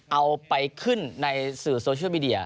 เอาไปขึ้นในสื่อโซเชียลมีเดีย